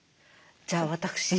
じゃあ私